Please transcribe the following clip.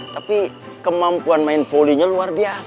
tapi kemampuan main volley nya luar biasa